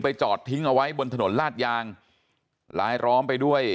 จอดทิ้งเอาไว้บนถนนลาดยางลายล้อมไปด้วย